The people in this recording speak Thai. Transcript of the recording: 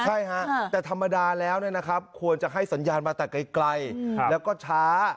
ใช่ฮะแต่ธรรมดาแล้วควรจะให้สัญญาณมาแต่ไกลแล้วก็ช้า